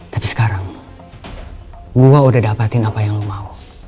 tapi sekarang gue udah dapetin apa yang lo mau